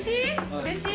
うれしい。